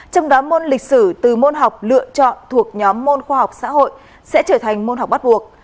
trong đó môn lịch sử từ môn học lựa chọn thuộc nhóm môn khoa học xã hội sẽ trở thành môn học bắt buộc